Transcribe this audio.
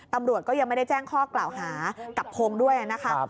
ตำรวจก็ยังไม่ได้แจ้งข้อกล่าวหากับพงศ์ด้วยนะคะ